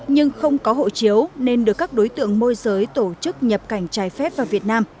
nhưng không có hộ chiếu nên được các đối tượng môi giới tổ chức nhập cảnh trái phép vào việt nam